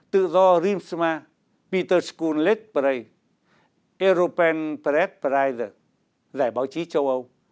tự do rimsma peter schoonleitprei europenpreispreise giải báo chí châu âu